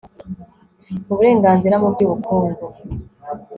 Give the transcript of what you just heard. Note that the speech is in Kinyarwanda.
uburenganzira mu by'ubukungu